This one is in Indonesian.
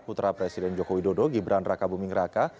putra presiden joko widodo gibran raka buming raka